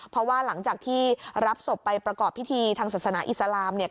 เพราะว่าหลังจากที่รับศพไปประกอบพิธีทางศาสนาอิสลามเนี่ย